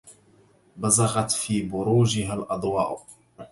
بزغت في بروجها الأضواء